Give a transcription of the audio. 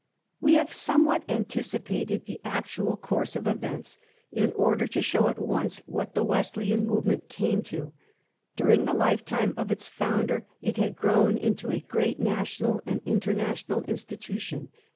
We have somewhat anticipated the actual course of events in order to show at once what the Wesleyan move ment came to. During the lifetime of its founder it had grown into a great national and international institution.